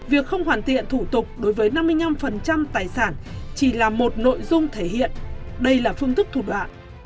việc không hoàn thiện thủ tục đối với năm mươi năm tài sản chỉ là một nội dung thể hiện đây là phương thức thủ đoạn